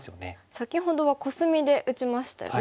先ほどはコスミで打ちましたよね